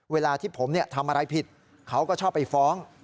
เวลาที่ผมทำอะไรผิดเขาก็ชอบไปฟ้อง